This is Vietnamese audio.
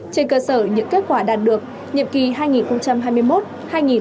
trên cơ sở những kết quả đạt được nhiệm kỳ hai nghìn hai mươi một hai nghìn hai mươi năm